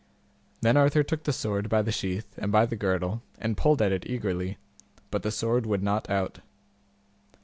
Then Arthur took the sword by the sheath and by the girdle and pulled at it eagerly, but the sword would not out.